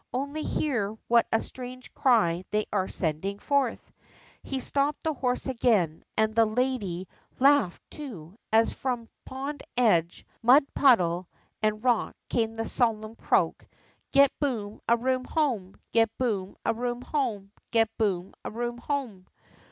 Only hear what a strange cry they are sending forth." He stopped the horse again, and the lady TUE MARSH FROG 39 laughed, too, as from pond edge, mud puddle, and rock came the solemn croak: Get Boom a Room home ! Get Boom a Room home ! Get Boom a Room home